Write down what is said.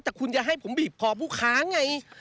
แต่คุณจะให้ผมบีบคอผู้ค้าไง